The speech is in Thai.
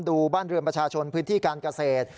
บ้านเรือนประชาชนพื้นที่การเกษตร